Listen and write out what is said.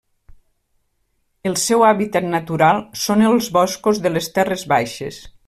El seu hàbitat natural són els boscos de les terres baixes.